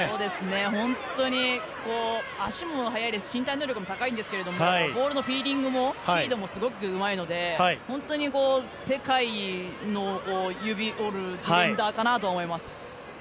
本当に足も速いですし身体能力も高いんですけれどもフィーリングも、フィードもすごくうまいので本当に世界の指折りのディフェンダーかなと思います。